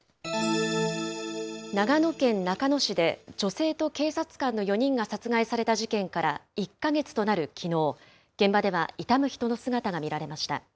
長野県中野市で女性と警察官の４人が殺害された事件から１か月となるきのう、現場では悼む人の姿が見られました。